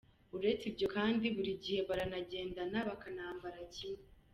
Uretse ibyo kandi, buri gihe baranagendana bakanambara bimwe.